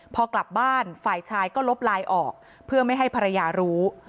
พอกลับบ้านฝ่ายชายก็ลบไลน์ออกเพื่อไม่ให้ภรรยารู้